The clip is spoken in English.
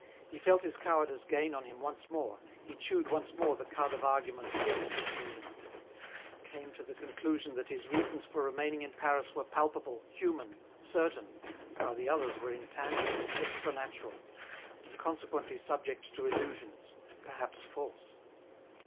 He felt his cowardice gain on him once more, he chewed once more the cud of arguments against his moving ; came to the conclusion that his reasons for remaining in Paris were palpable, human, certain, while the others were intangible, extra natural, and consequently subject to illusions, perhaps false.